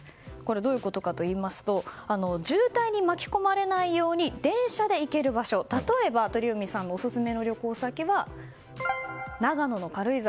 どういうことかといいますと渋滞に巻き込まれないように電車で行ける場所、例えば鳥海さんがオススメの旅行先は長野の軽井沢。